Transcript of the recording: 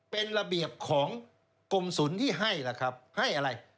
เป็นระเบียบของกรมศูนย์ที่ให้ล่ะครับให้อะไร